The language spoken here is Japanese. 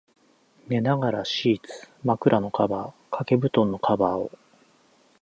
寝ながら、敷布、枕のカバー、掛け蒲団のカバーを、